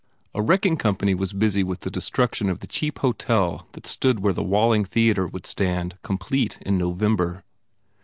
A wrecking company was busy with the destruc tion of the cheap hotel that stood where the Wall ing Theatre would stand complete in November.